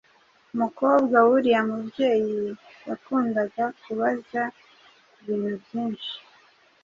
Umukobwa w’uriya mubyeyi yakundaga kubaza ibintu byinshi